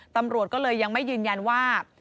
ตำรวจก็เลยยังไม่ยืนยันว่า